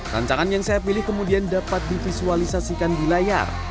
rancangan yang saya pilih kemudian dapat divisualisasikan di layar